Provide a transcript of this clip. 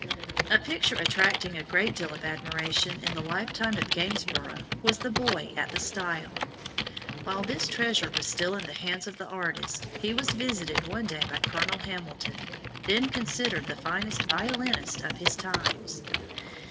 A picture attracting a great deal of admiration in the lifetime of Gainsborough, was the Boy at the Stile. While this treasure was still in the hands of the artist, he was visited one day by Colonel Hamilton, then considered the finest violinist of his times.